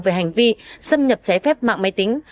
về hành vi xâm nhập trái phép mạng máy tính